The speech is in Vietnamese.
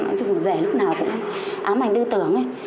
nói chung về lúc nào cũng ám ảnh tư tưởng ấy